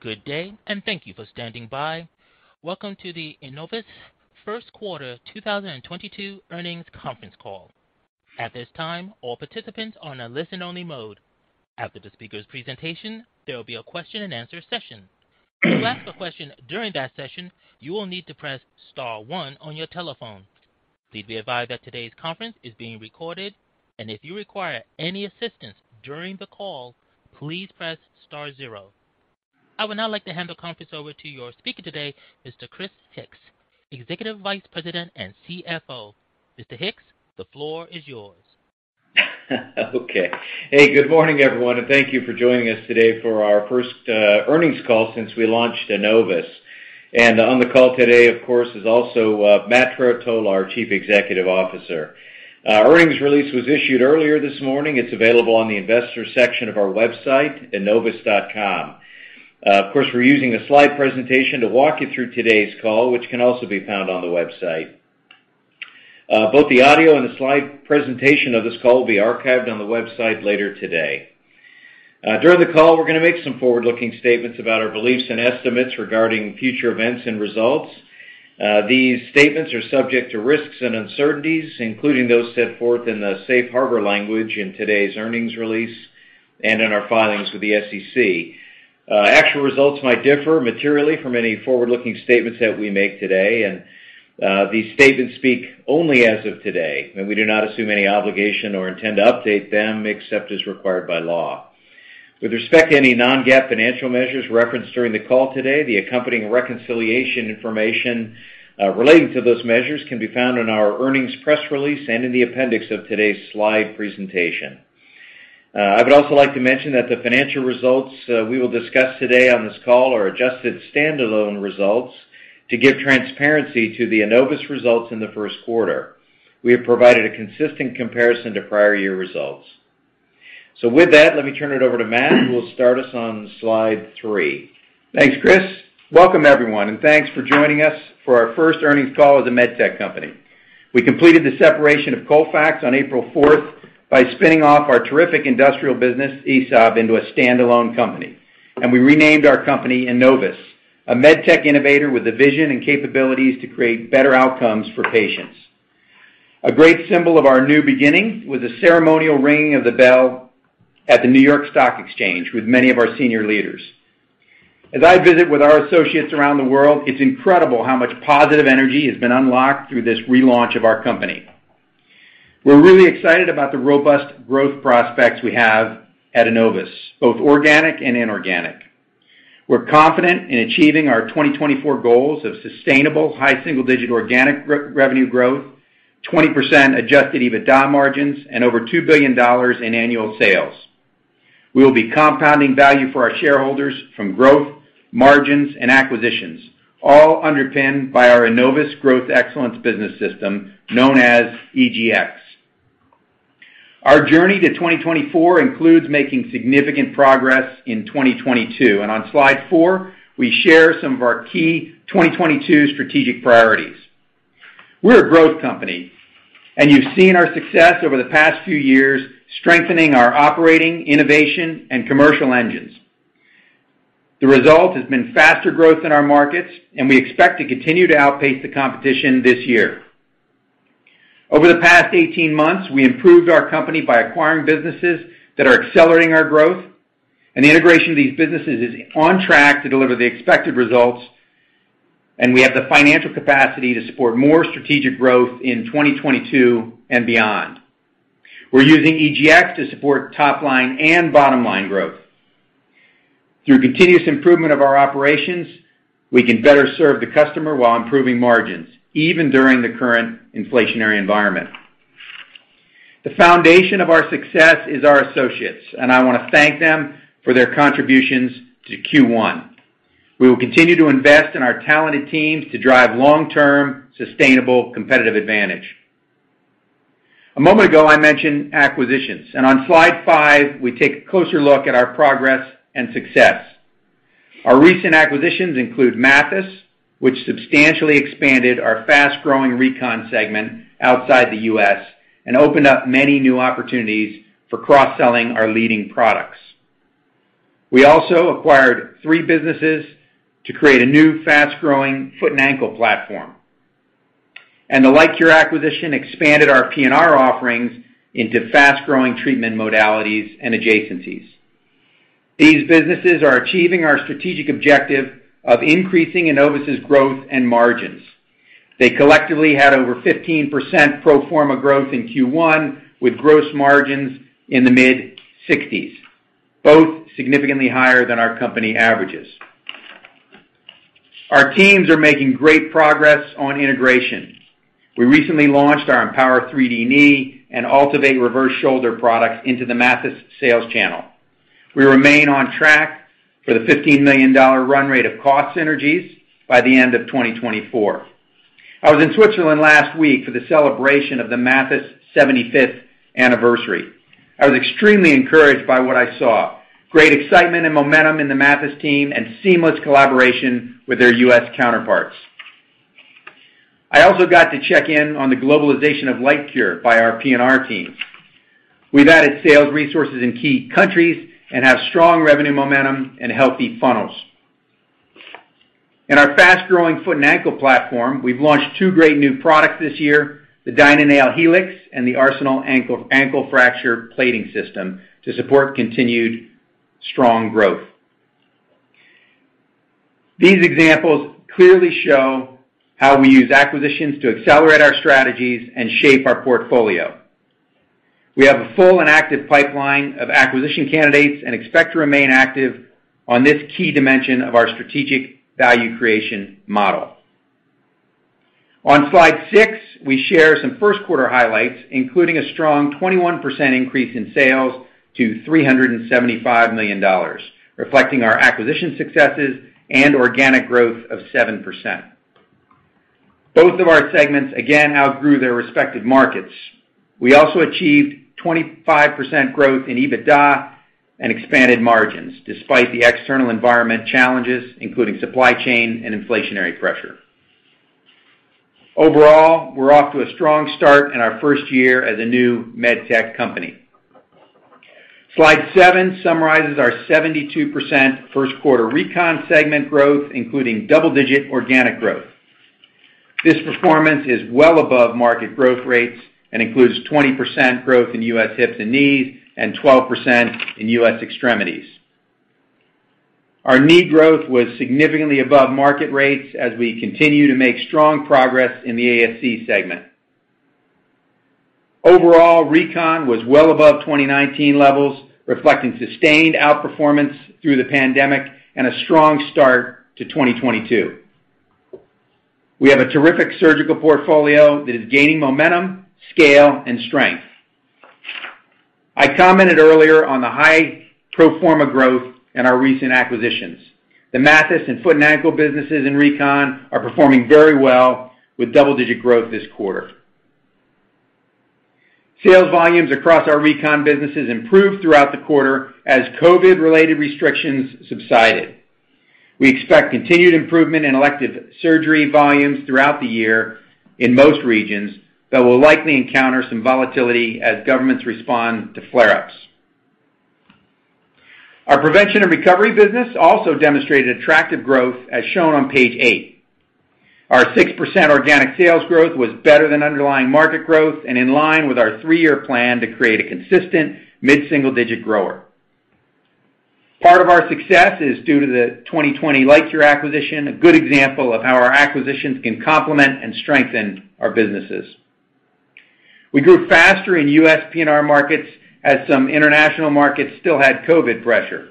Good day, thank you for standing by. Welcome to the Enovis first quarter 2022 earnings conference call. At this time, all participants are on a listen-only mode. After the speaker's presentation, there will be a question and answer session. To ask a question during that session, you will need to press star one on your telephone. Please be advised that today's conference is being recorded, and if you require any assistance during the call, please press star zero. I would now like to hand the conference over to your speaker today, Mr. Christopher Hix, Executive Vice President and CFO. Mr. Hix, the floor is yours. Okay. Hey, good morning, everyone, and thank you for joining us today for our first earnings call since we launched Enovis. On the call today, of course, is also Matthew Trerotola, our Chief Executive Officer. Our earnings release was issued earlier this morning. It's available on the investor section of our website, enovis.com. Of course, we're using a slide presentation to walk you through today's call, which can also be found on the website. Both the audio and the slide presentation of this call will be archived on the website later today. During the call, we're gonna make some forward-looking statements about our beliefs and estimates regarding future events and results. These statements are subject to risks and uncertainties, including those set forth in the safe harbor language in today's earnings release and in our filings with the SEC. Actual results might differ materially from any forward-looking statements that we make today. These statements speak only as of today, and we do not assume any obligation or intend to update them except as required by law. With respect to any non-GAAP financial measures referenced during the call today, the accompanying reconciliation information relating to those measures can be found in our earnings press release and in the appendix of today's slide presentation. I would also like to mention that the financial results we will discuss today on this call are adjusted standalone results to give transparency to the Enovis results in the first quarter. We have provided a consistent comparison to prior year results. With that, let me turn it over to Matt, who will start us on slide three. Thanks, Chris. Welcome, everyone, and thanks for joining us for our first earnings call as a med tech company. We completed the separation of Colfax on April fourth by spinning off our terrific industrial business, ESAB, into a standalone company, and we renamed our company Enovis, a med tech innovator with the vision and capabilities to create better outcomes for patients. A great symbol of our new beginning was the ceremonial ringing of the bell at the New York Stock Exchange with many of our senior leaders. As I visit with our associates around the world, it's incredible how much positive energy has been unlocked through this relaunch of our company. We're really excited about the robust growth prospects we have at Enovis, both organic and inorganic. We're confident in achieving our 2024 goals of sustainable high single-digit organic revenue growth, 20% adjusted EBITDA margins, and over $2 billion in annual sales. We will be compounding value for our shareholders from growth, margins, and acquisitions, all underpinned by our Enovis Growth Excellence business system, known as EGX. Our journey to 2024 includes making significant progress in 2022. On slide four, we share some of our key 2022 strategic priorities. We're a growth company, and you've seen our success over the past few years, strengthening our operating, innovation, and commercial engines. The result has been faster growth in our markets, and we expect to continue to outpace the competition this year. Over the past 18 months, we improved our company by acquiring businesses that are accelerating our growth. The integration of these businesses is on track to deliver the expected results, and we have the financial capacity to support more strategic growth in 2022 and beyond. We're using EGX to support top line and bottom line growth. Through continuous improvement of our operations, we can better serve the customer while improving margins, even during the current inflationary environment. The foundation of our success is our associates, and I wanna thank them for their contributions to Q1. We will continue to invest in our talented teams to drive long-term sustainable competitive advantage. A moment ago, I mentioned acquisitions, and on slide five, we take a closer look at our progress and success. Our recent acquisitions include Mathys, which substantially expanded our fast-growing Recon segment outside the U.S. and opened up many new opportunities for cross-selling our leading products. We also acquired three businesses to create a new fast-growing foot and ankle platform. The LiteCure acquisition expanded our PNR offerings into fast-growing treatment modalities and adjacencies. These businesses are achieving our strategic objective of increasing Enovis' growth and margins. They collectively had over 15% pro forma growth in Q1 with gross margins in the mid-60s%, both significantly higher than our company averages. Our teams are making great progress on integration. We recently launched our EMPOWR 3D Knee and AltiVate Reverse Shoulder products into the Mathys sales channel. We remain on track for the $15 million run rate of cost synergies by the end of 2024. I was in Switzerland last week for the celebration of the Mathys 75th anniversary. I was extremely encouraged by what I saw. Great excitement and momentum in the Mathys team and seamless collaboration with their U.S. counterparts. I also got to check in on the globalization of LiteCure by our PNR team. We've added sales resources in key countries and have strong revenue momentum and healthy funnels. In our fast-growing foot and ankle platform, we've launched two great new products this year, the DynaNail Helix and the Arsenal Ankle Plating System, to support continued strong growth. These examples clearly show how we use acquisitions to accelerate our strategies and shape our portfolio. We have a full and active pipeline of acquisition candidates and expect to remain active on this key dimension of our strategic value creation model. On slide six, we share some first quarter highlights, including a strong 21% increase in sales to $375 million, reflecting our acquisition successes and organic growth of 7%. Both of our segments again outgrew their respective markets. We also achieved 25% growth in EBITDA and expanded margins despite the external environment challenges, including supply chain and inflationary pressure. Overall, we're off to a strong start in our first year as a new med tech company. Slide seven summarizes our 72% first quarter Recon segment growth, including double-digit organic growth. This performance is well above market growth rates and includes 20% growth in U.S. hips and knees and 12% in U.S. extremities. Our knee growth was significantly above market rates as we continue to make strong progress in the ASC segment. Overall, Recon was well above 2019 levels, reflecting sustained outperformance through the pandemic and a strong start to 2022. We have a terrific surgical portfolio that is gaining momentum, scale, and strength. I commented earlier on the high pro forma growth in our recent acquisitions. The Mathys and foot and ankle businesses in Recon are performing very well with double-digit growth this quarter. Sales volumes across our Recon businesses improved throughout the quarter as COVID-related restrictions subsided. We expect continued improvement in elective surgery volumes throughout the year in most regions, though we'll likely encounter some volatility as governments respond to flare-ups. Our prevention and recovery business also demonstrated attractive growth as shown on page eight. Our 6% organic sales growth was better than underlying market growth and in line with our three-year plan to create a consistent mid-single-digit grower. Part of our success is due to the 2020 LiteCure acquisition, a good example of how our acquisitions can complement and strengthen our businesses. We grew faster in U.S. PNR markets as some international markets still had COVID pressure.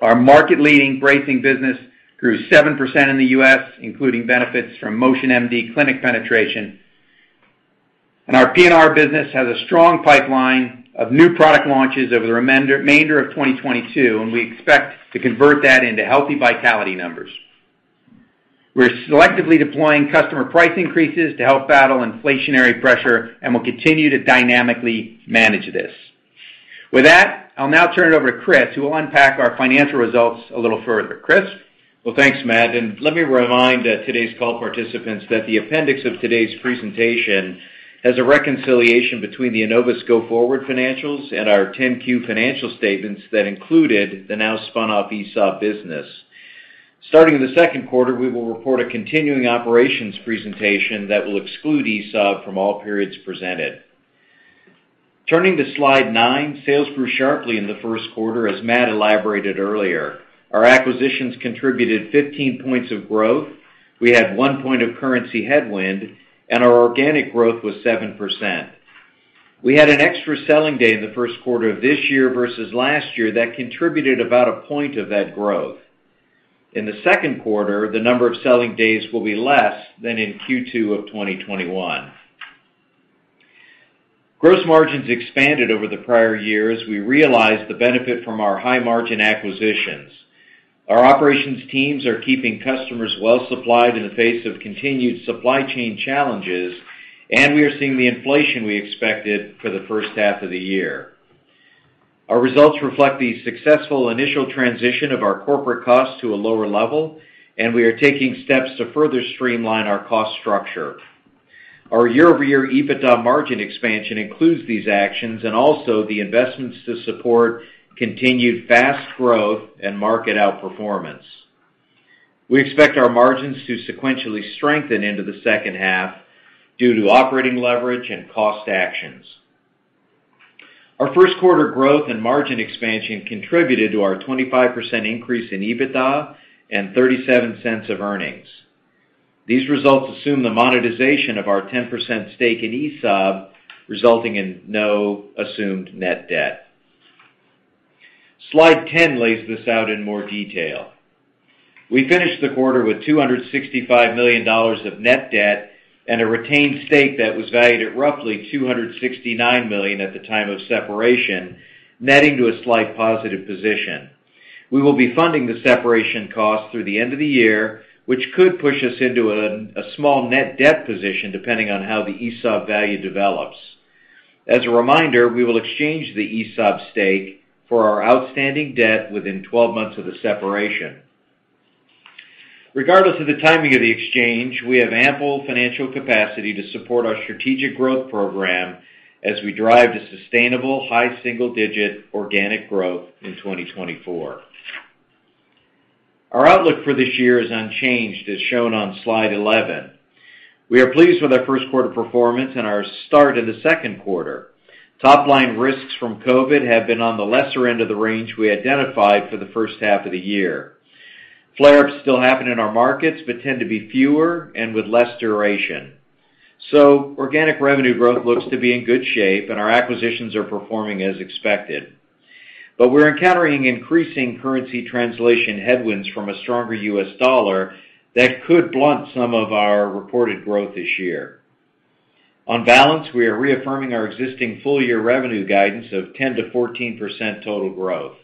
Our market-leading bracing business grew 7% in the U.S., including benefits from MotionMD clinic penetration. Our PNR business has a strong pipeline of new product launches over the remainder of 2022, and we expect to convert that into healthy vitality numbers. We're selectively deploying customer price increases to help battle inflationary pressure, and we'll continue to dynamically manage this. With that, I'll now turn it over to Chris, who will unpack our financial results a little further. Chris? Well, thanks, Matt. Let me remind today's call participants that the appendix of today's presentation has a reconciliation between the Enovis go-forward financials and our 10-Q financial statements that included the now spun-off ESAB business. Starting in the second quarter, we will report a continuing operations presentation that will exclude ESAB from all periods presented. Turning to slide nine, sales grew sharply in the first quarter as Matt elaborated earlier. Our acquisitions contributed 15 points of growth. We had one point of currency headwind, and our organic growth was 7%. We had an extra selling day in the first quarter of this year versus last year that contributed about a point of that growth. In the second quarter, the number of selling days will be less than in Q2 of 2021. Gross margins expanded over the prior year as we realized the benefit from our high-margin acquisitions. Our operations teams are keeping customers well supplied in the face of continued supply chain challenges, and we are seeing the inflation we expected for the first half of the year. Our results reflect the successful initial transition of our corporate costs to a lower level, and we are taking steps to further streamline our cost structure. Our year-over-year EBITDA margin expansion includes these actions and also the investments to support continued fast growth and market outperformance. We expect our margins to sequentially strengthen into the second half due to operating leverage and cost actions. Our first quarter growth and margin expansion contributed to our 25% increase in EBITDA and $0.37 of earnings. These results assume the monetization of our 10% stake in ESAB, resulting in no assumed net debt. Slide 10 lays this out in more detail. We finished the quarter with $265 million of net debt and a retained stake that was valued at roughly $269 million at the time of separation, netting to a slight positive position. We will be funding the separation costs through the end of the year, which could push us into a small net debt position depending on how the ESAB value develops. As a reminder, we will exchange the ESAB stake for our outstanding debt within 12 months of the separation. Regardless of the timing of the exchange, we have ample financial capacity to support our strategic growth program as we drive to sustainable high single digit organic growth in 2024. Our outlook for this year is unchanged, as shown on slide 11. We are pleased with our first quarter performance and our start in the second quarter. Top line risks from COVID have been on the lesser end of the range we identified for the first half of the year. Flare-ups still happen in our markets, but tend to be fewer and with less duration. Organic revenue growth looks to be in good shape, and our acquisitions are performing as expected. We're encountering increasing currency translation headwinds from a stronger US dollar that could blunt some of our reported growth this year. On balance, we are reaffirming our existing full year revenue guidance of 10%-14% total growth.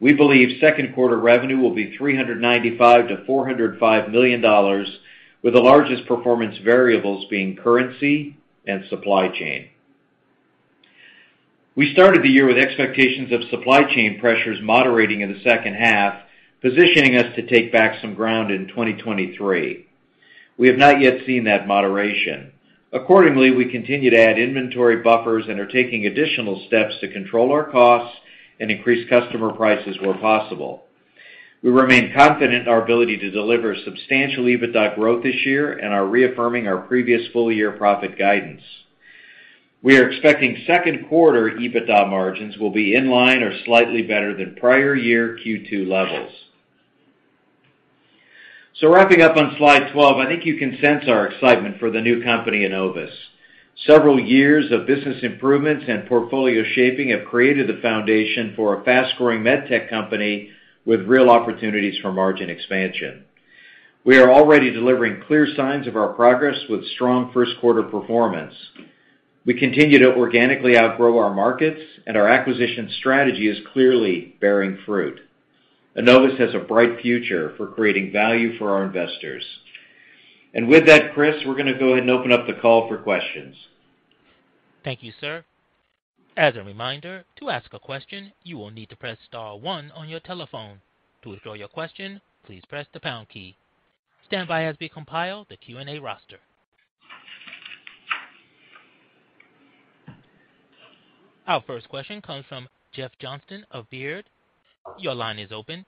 We believe second quarter revenue will be $395 million-$405 million, with the largest performance variables being currency and supply chain. We started the year with expectations of supply chain pressures moderating in the second half, positioning us to take back some ground in 2023. We have not yet seen that moderation. Accordingly, we continue to add inventory buffers and are taking additional steps to control our costs and increase customer prices where possible. We remain confident in our ability to deliver substantial EBITDA growth this year and are reaffirming our previous full year profit guidance. We are expecting second quarter EBITDA margins will be in line or slightly better than prior year Q2 levels. Wrapping up on slide 12, I think you can sense our excitement for the new company in Enovis. Several years of business improvements and portfolio shaping have created the foundation for a fast-growing med tech company with real opportunities for margin expansion. We are already delivering clear signs of our progress with strong first quarter performance. We continue to organically outgrow our markets, and our acquisition strategy is clearly bearing fruit. Enovis has a bright future for creating value for our investors. With that, Chris, we're gonna go ahead and open up the call for questions. Thank you, sir. As a reminder, to ask a question, you will need to press star one on your telephone. To withdraw your question, please press the pound key. Stand by as we compile the Q&A roster. Our first question comes from Jeff Johnson of Baird. Your line is open.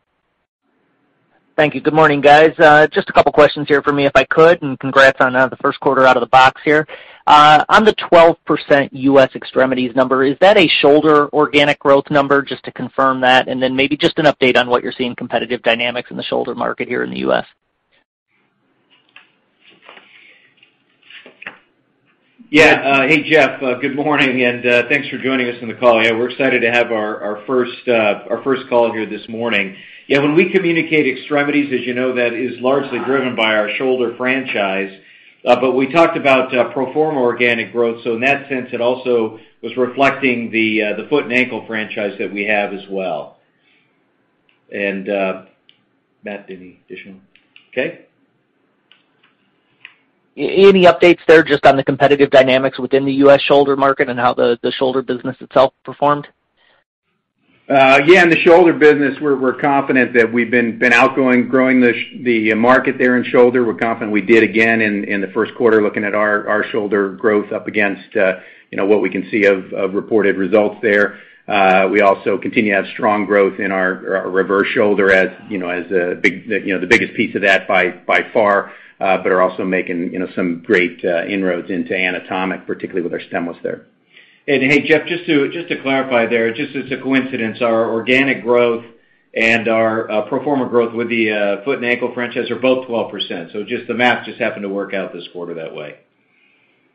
Thank you. Good morning, guys. Just a couple questions here for me, if I could, and congrats on the first quarter out of the box here. On the 12% U.S. extremities number, is that a shoulder organic growth number, just to confirm that? Maybe just an update on what you're seeing competitive dynamics in the shoulder market here in the U.S. Yeah. Hey, Jeff, good morning, and thanks for joining us on the call. Yeah, we're excited to have our first call here this morning. Yeah, when we communicate extremities, as you know, that is largely driven by our shoulder franchise. We talked about pro forma organic growth, so in that sense, it also was reflecting the foot and ankle franchise that we have as well. Matt, any additional? Okay. Any updates there just on the competitive dynamics within the U.S. shoulder market and how the shoulder business itself performed? Yeah, in the shoulder business, we're confident that we've been outgrowing the market there in shoulder. We're confident we did again in the first quarter looking at our shoulder growth up against what we can see of reported results there. We also continue to have strong growth in our reverse shoulder as the biggest piece of that by far, but are also making some great inroads into anatomic, particularly with our stemless there. Hey, Jeff, just to clarify there, just as a coincidence, our organic growth and our pro forma growth with the foot and ankle franchise are both 12%. Just the math just happened to work out this quarter that way.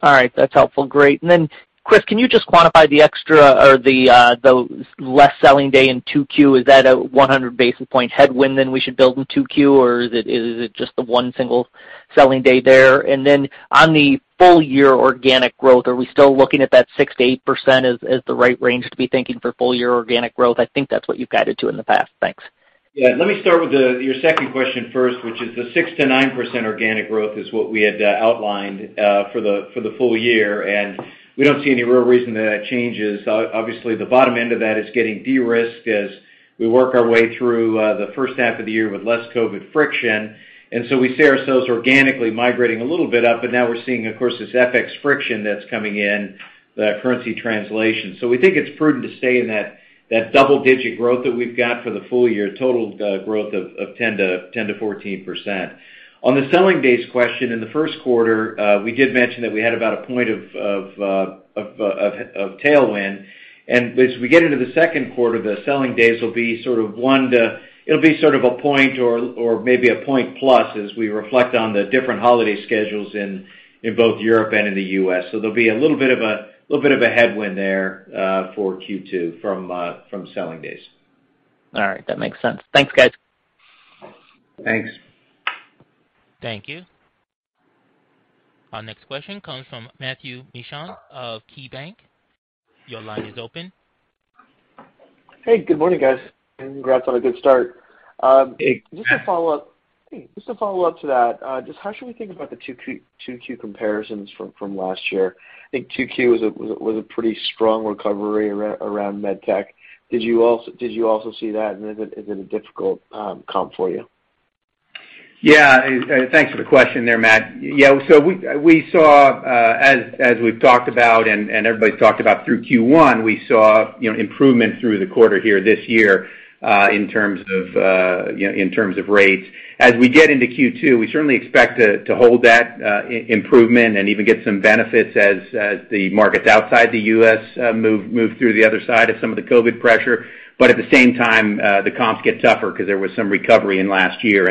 All right. That's helpful. Great. Then, Chris, can you just quantify the extra or the less selling day in 2Q? Is that a 100 basis point headwind then we should build in 2Q, or is it just the one single selling day there? Then on the full year organic growth, are we still looking at that 6%-8% as the right range to be thinking for full year organic growth? I think that's what you've guided to in the past. Thanks. Yeah. Let me start with your second question first, which is the 6%-9% organic growth is what we had outlined for the full year, and we don't see any real reason that changes. Obviously, the bottom end of that is getting de-risked as we work our way through the first half of the year with less COVID friction. We see ourselves organically migrating a little bit up, but now we're seeing, of course, this FX friction that's coming in, the currency translation. We think it's prudent to stay in that double digit growth that we've got for the full year, total growth of 10%-14%. On the selling days question, in the first quarter, we did mention that we had about a point of tailwind. As we get into the second quarter, the selling days will be sort of a point or maybe a point plus as we reflect on the different holiday schedules in both Europe and the US. There'll be a little bit of a headwind there for Q2 from selling days. All right. That makes sense. Thanks, guys. Thanks. Thank you. Our next question comes from Matthew Mishan of KeyBanc. Your line is open. Hey, good morning, guys, and congrats on a good start. Hey. Just to follow up to that, just how should we think about the 2Q comparisons from last year? I think 2Q was a pretty strong recovery around med tech. Did you also see that, and is it a difficult comp for you? Yeah. Thanks for the question there, Matt. Yeah, so we saw, as we've talked about and everybody's talked about through Q1, we saw, you know, improvement through the quarter here this year, in terms of, you know, in terms of rates. As we get into Q2, we certainly expect to hold that improvement and even get some benefits as the markets outside the U.S. move through the other side of some of the COVID pressure. At the same time, the comps get tougher 'cause there was some recovery in last year.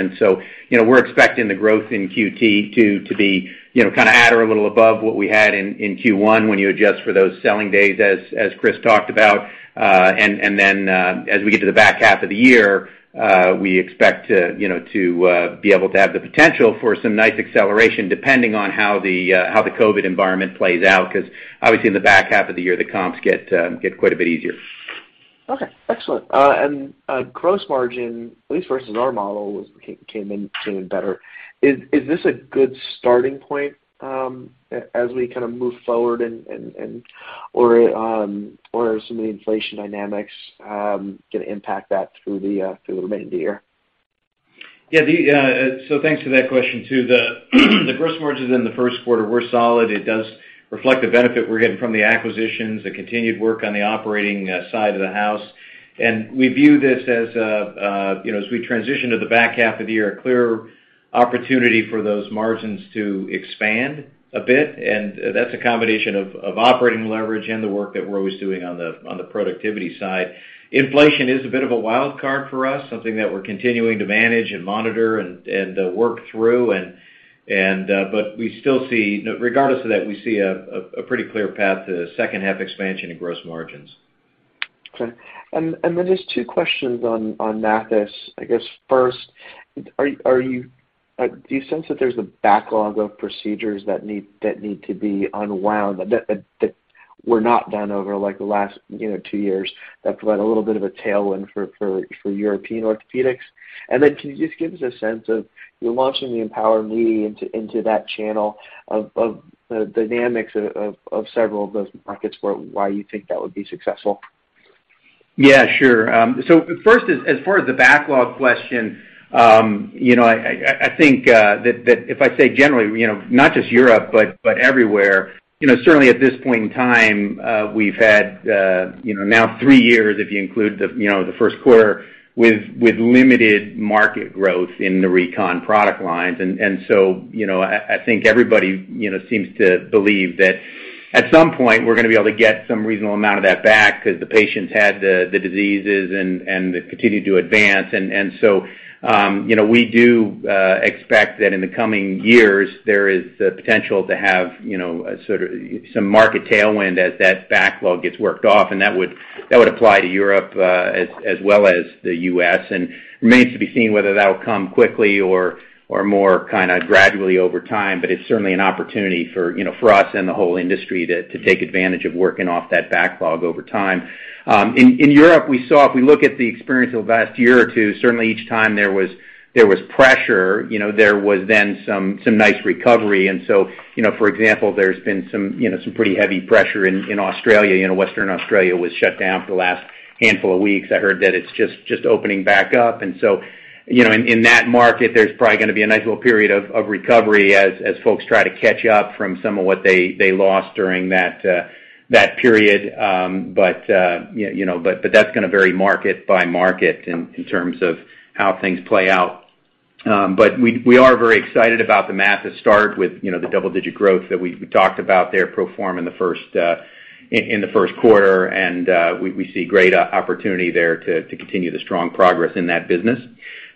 We're expecting the growth in Q2 to be, you know, kinda at or a little above what we had in Q1 when you adjust for those selling days, as Chris talked about. As we get to the back half of the year, we expect to, you know, to be able to have the potential for some nice acceleration depending on how the COVID environment plays out. 'Cause obviously in the back half of the year, the comps get quite a bit easier. Okay. Excellent. Gross margin, at least versus our model, came in better. Is this a good starting point, as we kinda move forward, or are some of the inflation dynamics gonna impact that through the remainder of the year? Yeah, so thanks for that question too. The gross margins in the first quarter were solid. It does reflect the benefit we're getting from the acquisitions, the continued work on the operating side of the house. We view this as, you know, as we transition to the back half of the year, a clear opportunity for those margins to expand a bit, and that's a combination of operating leverage and the work that we're always doing on the productivity side. Inflation is a bit of a wild card for us, something that we're continuing to manage and monitor and work through and, but we still see, regardless of that, a pretty clear path to second half expansion in gross margins. Okay. Then just two questions on Mathys. I guess first, do you sense that there's a backlog of procedures that need to be unwound that were not done over like the last, you know, two years that provide a little bit of a tailwind for European orthopedics? Can you just give us a sense of your launching the EMPOWR Knee into that channel of the dynamics of several of those markets, why you think that would be successful? Yeah, sure. First as far as the backlog question, you know, I think that if I say generally, you know, not just Europe but everywhere, you know, certainly at this point in time, we've had, you know, now three years if you include the, you know, the first quarter with limited market growth in the Recon product lines. You know, I think everybody, you know, seems to believe that at some point we're gonna be able to get some reasonable amount of that back 'cause the patients had the diseases and they continue to advance. We do expect that in the coming years there is the potential to have, you know, a sort of some market tailwind as that backlog gets worked off, and that would apply to Europe, as well as the U.S. Remains to be seen whether that'll come quickly or more kinda gradually over time. It's certainly an opportunity for, you know, for us and the whole industry to take advantage of working off that backlog over time. In Europe, we saw, if we look at the experience over the last year or two, certainly each time there was pressure, you know, there was then some nice recovery. For example, there's been some, you know, some pretty heavy pressure in Australia. You know, Western Australia was shut down for the last handful of weeks. I heard that it's just opening back up. You know, in that market there's probably gonna be a nice little period of recovery as folks try to catch up from some of what they lost during that period. You know, that's gonna vary market by market in terms of how things play out. We are very excited about the Mathys start with you know, the double-digit growth that we talked about there pro forma in the first quarter and we see great opportunity there to continue the strong progress in that business.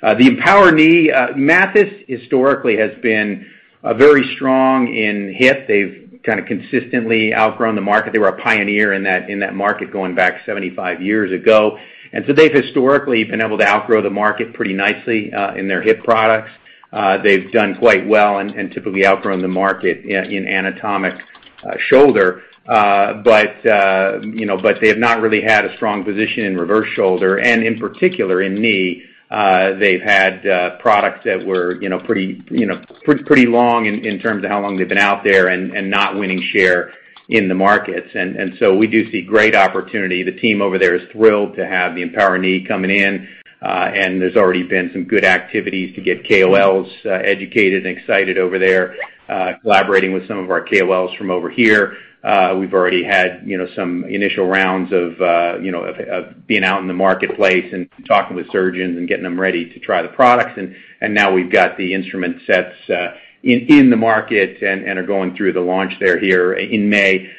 The EMPOWR™ Knee, Mathys historically has been very strong in hip. They've kinda consistently outgrown the market. They were a pioneer in that market going back 75 years ago. They've historically been able to outgrow the market pretty nicely in their hip products. They've done quite well and typically outgrown the market in anatomic shoulder. You know, but they have not really had a strong position in reverse shoulder. In particular in knee, they've had products that were you know pretty you know pretty long in terms of how long they've been out there and not winning share in the markets. We do see great opportunity. The team over there is thrilled to have the EMPOWR™ Knee coming in, and there's already been some good activities to get KOLs educated and excited over there, collaborating with some of our KOLs from over here. We've already had, you know, some initial rounds of, you know, of being out in the marketplace and talking with surgeons and getting them ready to try the products. Now we've got the instrument sets in the market and are going through the launch there here in May.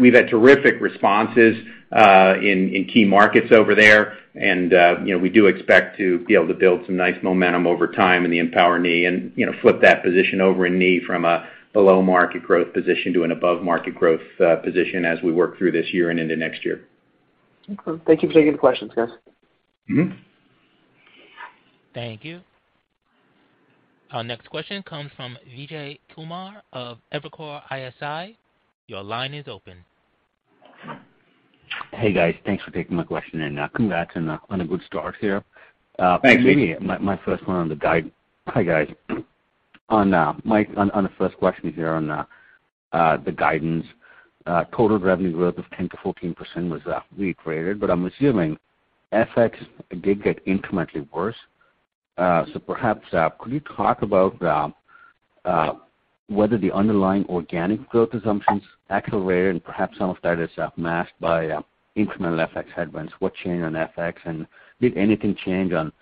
We've had terrific responses in key markets over there. You know, we do expect to be able to build some nice momentum over time in the EMPOWR™ Knee and, you know, flip that position over in knee from a below market growth position to an above market growth position as we work through this year and into next year. Okay. Thank you for taking the questions, guys. Thank you. Our next question comes from Vijay Kumar of Evercore ISI. Your line is open. Hey, guys. Thanks for taking my question and congrats on a good start here. Thank you. Maybe my first one on the guidance. Hi, guys. On Mike, on the first question here on the guidance, total revenue growth of 10%-14% was reiterated, but I'm assuming FX did get incrementally worse. Perhaps could you talk about whether the underlying organic growth assumptions accelerated and perhaps some of that is masked by incremental FX headwinds? What changed on FX, and did anything change on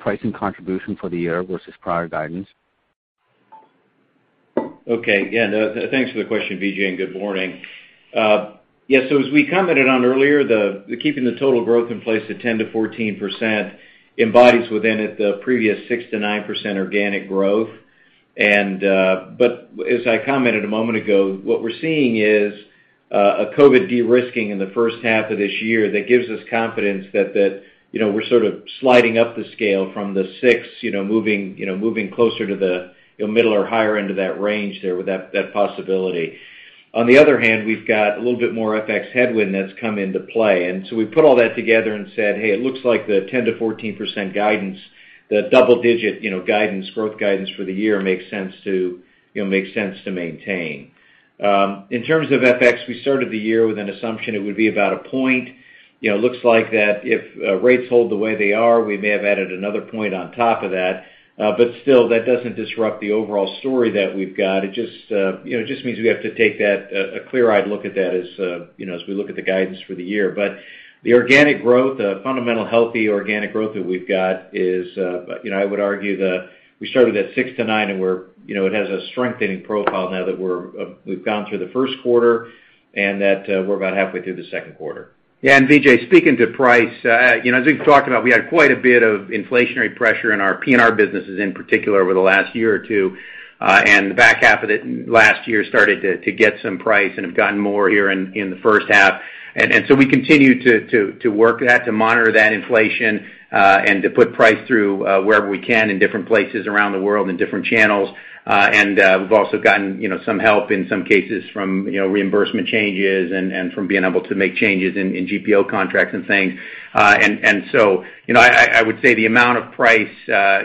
pricing contribution for the year versus prior guidance? Okay. Yeah. No, thanks for the question, Vijay, and good morning. Yeah, so as we commented on earlier, the keeping the total growth in place at 10%-14% embodies within it the previous 6%-9% organic growth. As I commented a moment ago, what we're seeing is a COVID de-risking in the first half of this year that gives us confidence that you know, we're sort of sliding up the scale from the six, you know, moving closer to the middle or higher end of that range there with that possibility. On the other hand, we've got a little bit more FX headwind that's come into play. We put all that together and said, "Hey, it looks like the 10%-14% guidance, the double-digit, you know, guidance, growth guidance for the year makes sense to, you know, makes sense to maintain." In terms of FX, we started the year with an assumption it would be about a point. You know, looks like that if rates hold the way they are, we may have added another point on top of that. But still, that doesn't disrupt the overall story that we've got. It just, you know, it just means we have to take that, a clear-eyed look at that as, you know, as we look at the guidance for the year. The organic growth, the fundamental healthy organic growth that we've got is, you know, I would argue we started at 6%-9%, and we're, you know, it has a strengthening profile now that we're, we've gone through the first quarter and that, we're about halfway through the second quarter. Yeah. Vijay, speaking to price, you know, as we've talked about, we had quite a bit of inflationary pressure in our PNR businesses in particular over the last year or two. The back half of it last year started to get some price and have gotten more here in the first half. We continue to work that, to monitor that inflation, and to put price through wherever we can in different places around the world and different channels. We've also gotten, you know, some help in some cases from, you know, reimbursement changes and from being able to make changes in GPO contracts and things. You know, I would say the amount of price,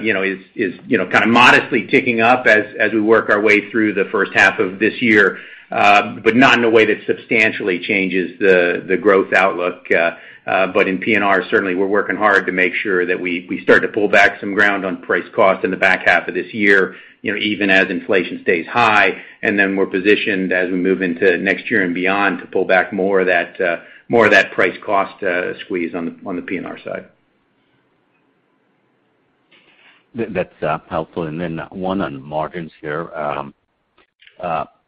you know, is, you know, kind of modestly ticking up as we work our way through the first half of this year, but not in a way that substantially changes the growth outlook, but in PNR, certainly we're working hard to make sure that we start to pull back some ground on price cost in the back half of this year, you know, even as inflation stays high. Then we're positioned as we move into next year and beyond to pull back more of that price cost squeeze on the PNR side. That's helpful. Then one on margins here.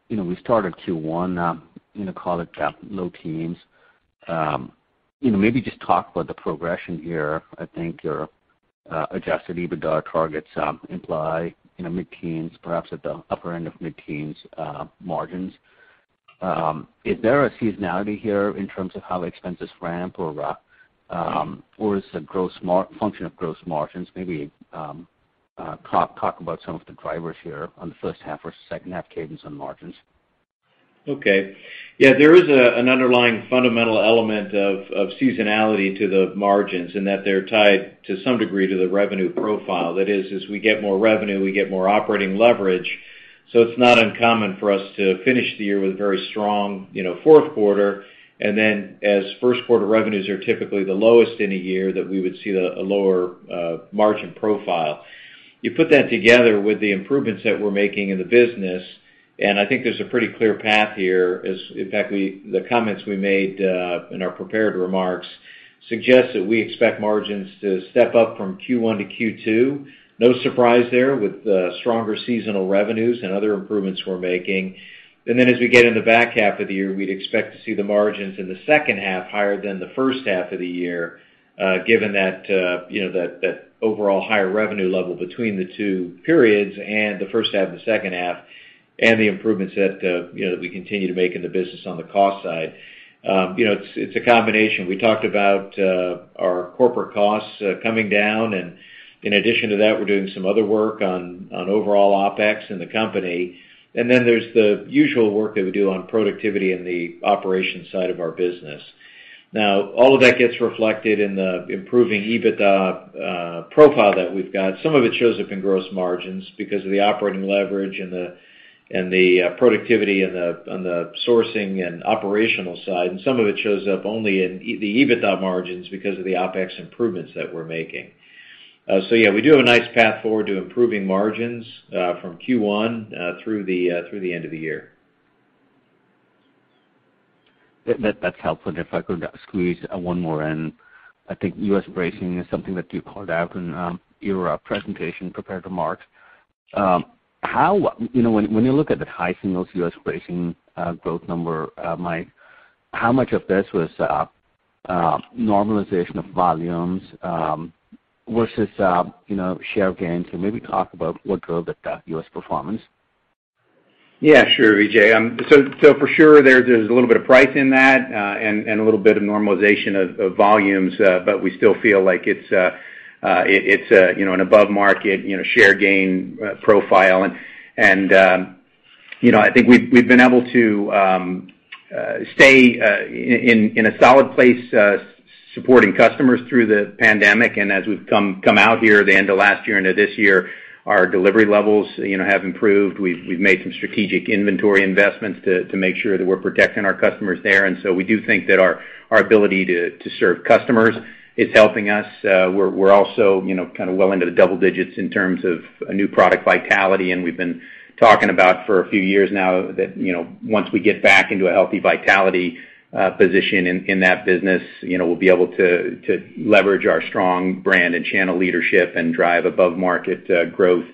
We started Q1, call it low-teens%. Maybe just talk about the progression here. I think your adjusted EBITDA targets imply mid-teens%, perhaps at the upper end of mid-teens% margins. Is there a seasonality here in terms of how the expenses ramp or is the gross margin function of gross margins? Maybe talk about some of the drivers here on the first half versus second half cadence on margins. Okay. Yeah. There is an underlying fundamental element of seasonality to the margins in that they're tied to some degree to the revenue profile. That is, as we get more revenue, we get more operating leverage. It's not uncommon for us to finish the year with a very strong, you know, fourth quarter, and then as first quarter revenues are typically the lowest in a year, that we would see a lower margin profile. You put that together with the improvements that we're making in the business, and I think there's a pretty clear path here as, in fact, the comments we made in our prepared remarks suggest that we expect margins to step up from Q1-Q2. No surprise there with the stronger seasonal revenues and other improvements we're making. As we get in the back half of the year, we'd expect to see the margins in the second half higher than the first half of the year, given that, you know, that overall higher revenue level between the two periods and the first half and the second half and the improvements that, you know, that we continue to make in the business on the cost side. You know, it's a combination. We talked about our corporate costs coming down, and in addition to that, we're doing some other work on overall OpEx in the company. There's the usual work that we do on productivity in the operations side of our business. Now, all of that gets reflected in the improving EBITDA profile that we've got. Some of it shows up in gross margins because of the operating leverage and the productivity on the sourcing and operational side, and some of it shows up only in the EBITDA margins because of the OpEx improvements that we're making. Yeah, we do have a nice path forward to improving margins from Q1 through the end of the year. That's helpful. If I could squeeze one more in. I think U.S. Bracing is something that you called out in your prepared remarks. You know, when you look at the high singles U.S. Bracing growth number, Mike, how much of this was normalization of volumes versus you know, share gains? Maybe talk about what drove the U.S. performance. Yeah, sure, Vijay. For sure there's a little bit of price in that, and a little bit of normalization of volumes. But we still feel like it's a, you know, an above market, you know, share gain profile. You know, I think we've been able to stay in a solid place supporting customers through the pandemic. As we've come out here the end of last year into this year, our delivery levels, you know, have improved. We've made some strategic inventory investments to make sure that we're protecting our customers there. We do think that our ability to serve customers is helping us. We're also, you know, kind of well into the double digits in terms of a new product vitality. We've been talking about for a few years now that, you know, once we get back into a healthy vitality position in that business, you know, we'll be able to leverage our strong brand and channel leadership and drive above market growth.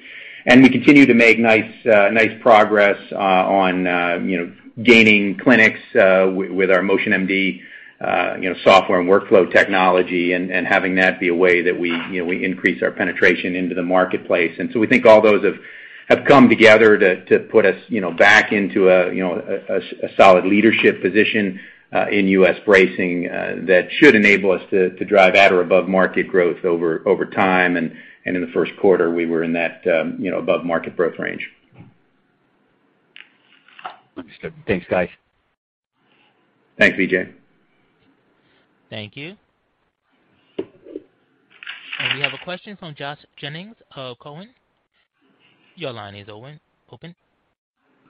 We continue to make nice progress on, you know, gaining clinics with our MotionMD, you know, software and workflow technology, and having that be a way that we, you know, we increase our penetration into the marketplace. We think all those have come together to put us, you know, back into a solid leadership position in U.S. bracing that should enable us to drive at or above market growth over time. In the first quarter, we were in that, you know, above market growth range. Understood. Thanks, guys. Thanks, Vijay. Thank you. We have a question from Josh Jennings of Cowen. Your line is open.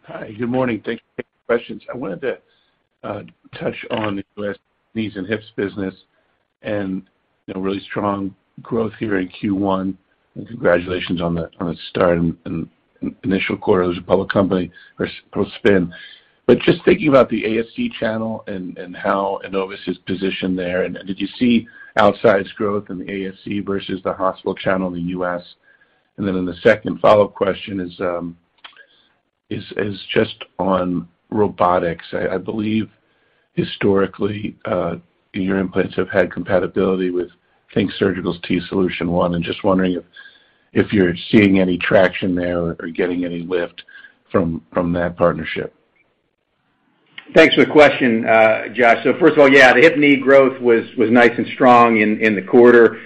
Hi. Good morning. Thank you for taking the questions. I wanted to touch on the knees and hips business and, you know, really strong growth here in Q1. Congratulations on the start and initial quarter as a public company or post-spin. Just thinking about the ASC channel and how Enovis is positioned there, and did you see outsized growth in the ASC versus the hospital channel in the US? Then the second follow-up question is just on robotics. I believe historically your implants have had compatibility with THINK Surgical's TSolution One. I'm just wondering if you're seeing any traction there or getting any lift from that partnership. Thanks for the question, Josh. First of all, yeah, the hip and knee growth was nice and strong in the quarter,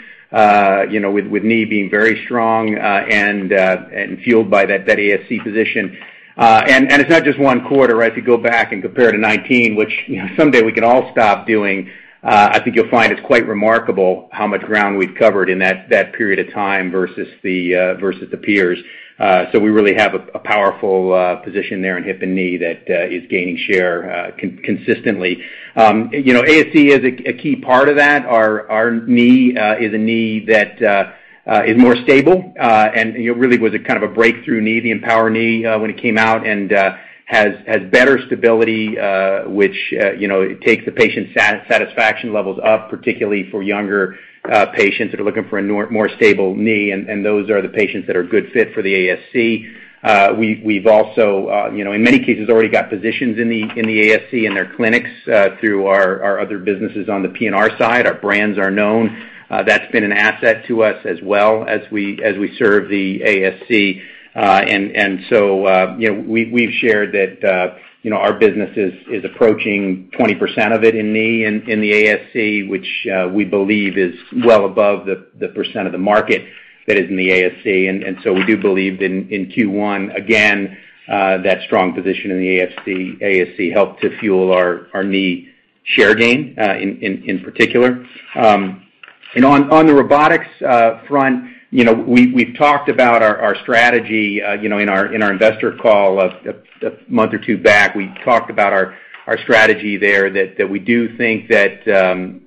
you know, with knee being very strong, and fueled by that ASC position. It's not just one quarter, right? If you go back and compare to 2019, which, you know, someday we can all stop doing, I think you'll find it's quite remarkable how much ground we've covered in that period of time versus the peers. We really have a powerful position there in hip and knee that is gaining share consistently. You know, ASC is a key part of that. Our knee is a knee that is more stable. You know, really was a kind of a breakthrough knee, the EMPOWR™ Knee, when it came out and has better stability, which you know, it takes the patient satisfaction levels up, particularly for younger patients that are looking for a more stable knee. Those are the patients that are good fit for the ASC. We've also you know, in many cases already got positions in the ASC and their clinics through our other businesses on the PNR side. Our brands are known. That's been an asset to us as we serve the ASC. You know, we've shared that, you know, our business is approaching 20% of it in knee in the ASC, which we believe is well above the percent of the market that is in the ASC. We do believe in Q1, again, that strong position in the ASC helped to fuel our knee share gain in particular. You know, on the robotics front, you know, we've talked about our strategy, you know, in our investor call a month or two back. We talked about our strategy there that we do think that,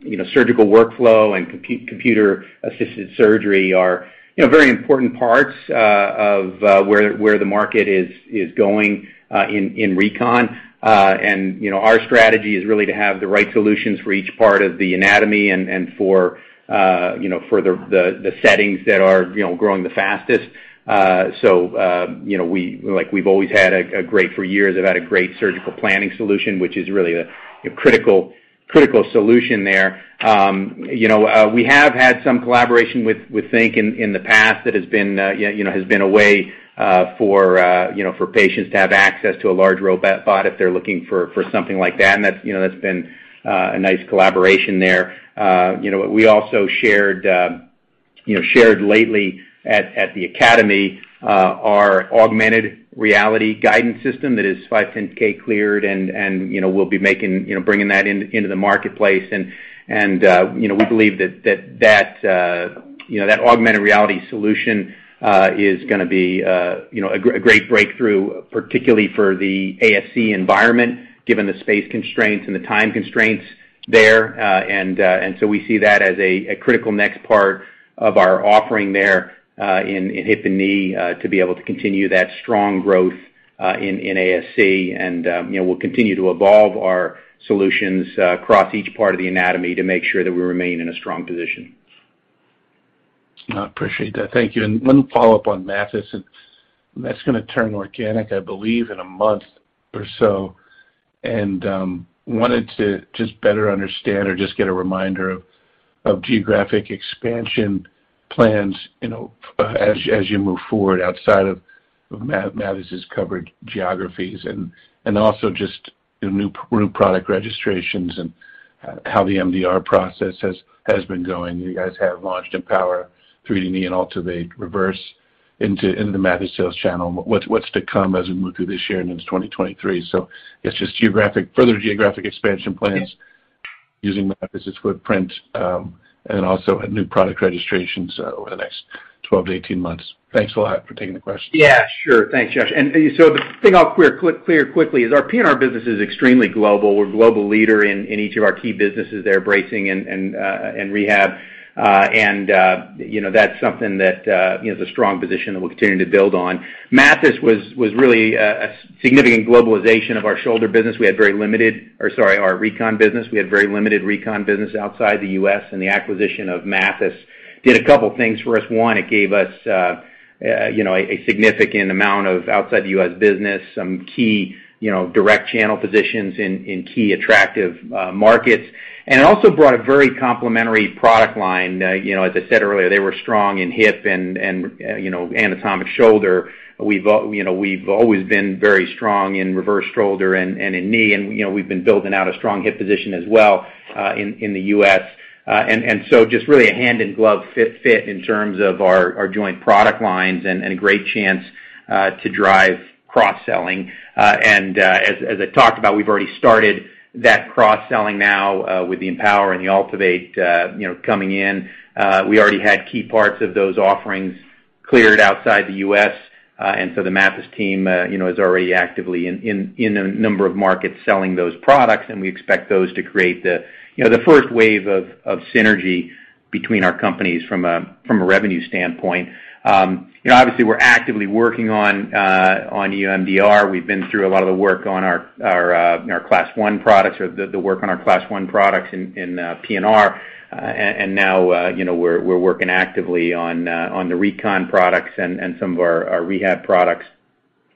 you know, surgical workflow and computer assisted surgery are, you know, very important parts of where the market is going in Recon. Our strategy is really to have the right solutions for each part of the anatomy and for, you know, the settings that are, you know, growing the fastest. You know, like we've always had a great surgical planning solution for years, which is really the, you know, critical solution there. We have had some collaboration with THINK in the past that has been a way for patients to have access to a large robot if they're looking for something like that. That's been a nice collaboration there. We also shared lately at the academy our ARVIS® Augmented Reality System that is 510K cleared and we'll be bringing that into the marketplace. We believe that augmented reality solution is gonna be a great breakthrough, particularly for the ASC environment, given the space constraints and the time constraints there. We see that as a critical next part of our offering there in hip and knee to be able to continue that strong growth in ASC. You know, we'll continue to evolve our solutions across each part of the anatomy to make sure that we remain in a strong position. I appreciate that. Thank you. One follow-up on Mathys, and that's gonna turn organic, I believe, in a month or so. Wanted to just better understand or just get a reminder of geographic expansion plans, you know, as you move forward outside of Mathys' covered geographies and also just the new product registrations and how the MDR process has been going. You guys have launched EMPOWR™, 3D Knee, and AltiVate® Reverse into the Mathys sales channel. What's to come as we move through this year and into 2023? It's just further geographic expansion plans using Mathys' footprint and also new product registrations over the next 12-18 months. Thanks a lot for taking the question. Yeah, sure. Thanks, Josh. The thing I'll clear quickly is our PNR business is extremely global. We're a global leader in each of our key businesses there, bracing and rehab. You know, that's something that you know is a strong position that we're continuing to build on. Mathys was really a significant globalization of our shoulder business. We had very limited recon business outside the U.S., and the acquisition of Mathys did a couple things for us. One, it gave us you know a significant amount of outside U.S. business, some key you know direct channel positions in key attractive markets. It also brought a very complementary product line. You know, as I said earlier, they were strong in hip and you know anatomic shoulder. We've you know we've always been very strong in reverse shoulder and in knee, and you know we've been building out a strong hip position as well in the U.S. So just really a hand-in-glove fit in terms of our joint product lines and a great chance to drive cross-selling. As I talked about, we've already started that cross-selling now with the EMPOWR and the AltiVate you know coming in. We already had key parts of those offerings cleared outside the U.S., and so the Mathys team, you know, is already actively in a number of markets selling those products, and we expect those to create you know, the first wave of synergy between our companies from a revenue standpoint. You know, obviously we're actively working on EU MDR. We've been through a lot of the work on our Class I products in PNR. Now, you know, we're working actively on the Recon products and some of our rehab products.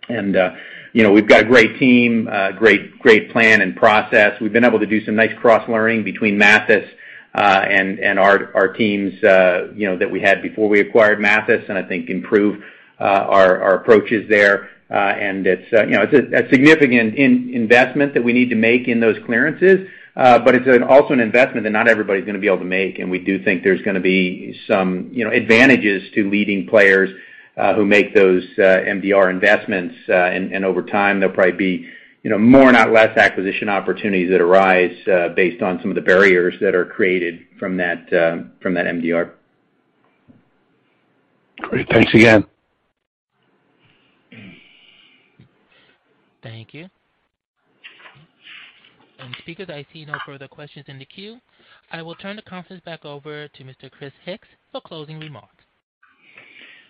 You know, we've got a great team, great plan and process. We've been able to do some nice cross-learning between Mathys and our teams, you know, that we had before we acquired Mathys and I think improved our approaches there. It's, you know, a significant investment that we need to make in those clearances, but it's also an investment that not everybody's gonna be able to make. We do think there's gonna be some, you know, advantages to leading players who make those MDR investments. Over time, there'll probably be, you know, more, not less acquisition opportunities that arise based on some of the barriers that are created from that MDR. Great. Thanks again. Thank you. Speakers, I see no further questions in the queue. I will turn the conference back over to Mr. Christopher Hix for closing remarks.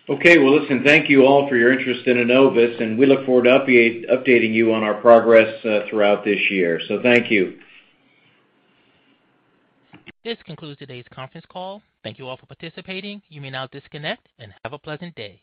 Okay. Well, listen, thank you all for your interest in Enovis, and we look forward to updating you on our progress throughout this year. Thank you. This concludes today's conference call. Thank you all for participating. You may now disconnect and have a pleasant day.